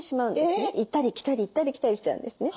行ったり来たり行ったり来たりしちゃうんですね。